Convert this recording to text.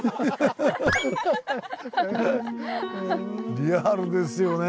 リアルですよね。